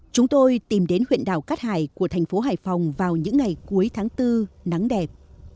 chúng tôi tìm đến huyện đảo cát hải của thành phố hải phòng vào những ngày cuối tháng bốn nắng đẹp